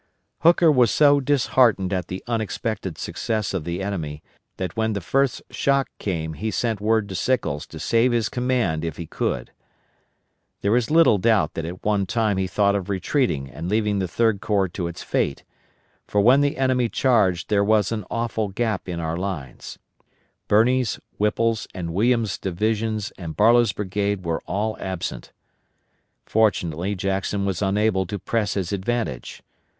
Hooker was so disheartened at the unexpected success of the enemy, that when the first shock came he sent word to Sickles to save his command if he could. There is little doubt that at one time he thought of retreating and leaving the Third Corps to its fate; for when the enemy charged there was an awful gap in our lines; Birney's, Whipple's, and Williams' divisions and Barlow's brigade were all absent. Fortunately Jackson was unable to press his advantage.